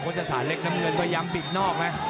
โคจศาสตร์เล็กน้ำเงินพยายามบิดนอกนะ